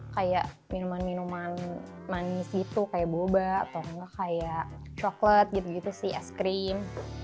kayak minuman minuman manis gitu kayak boba atau enggak kayak coklat gitu sih es krim